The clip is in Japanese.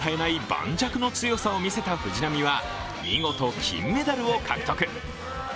盤石の強さを見せた藤波は見事、金メダルを獲得。